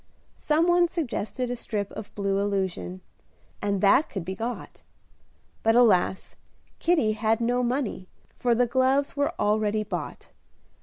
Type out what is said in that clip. Some one suggested a strip of blue illusion, and that could be got; but, alas! Kitty had no money, for the gloves were already bought.